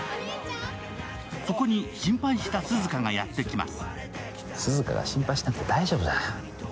そこに心配した涼香がやってきます。